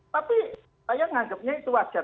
tapi saya menganggapnya itu wajar